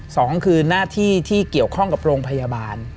สองคือหน้าที่ที่เกี่ยวข้องกับโรงพยาบาล